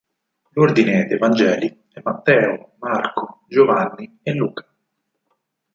L'ordine dei vangeli è "Matteo", "Marco", "Giovanni" e "Luca".